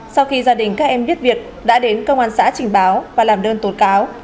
sau khi gia đình các em biết việc đã đến công an xã trình báo và làm đơn tố cáo